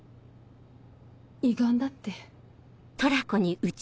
胃がんだって。